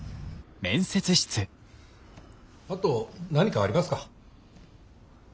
あと何かありますか？